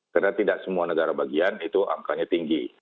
karena tidak semua negara bagian itu angkanya tinggi